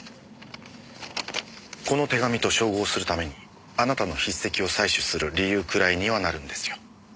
この手紙と照合するためにあなたの筆跡を採取する理由くらいにはなるんですよ。